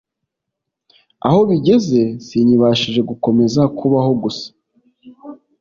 aho bigeze sinkibashije gukomeza kubaho gusa